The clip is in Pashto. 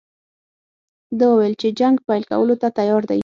ده وویل چې جنګ پیل کولو ته تیار دی.